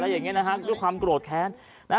ชาวบ้านญาติโปรดแค้นไปดูภาพบรรยากาศขณะ